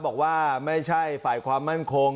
บอกว่าไม่ใช่ฝ่ายความมั่นคง